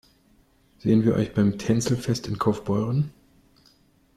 Sehen wir euch beim Tänzelfest in Kaufbeuren?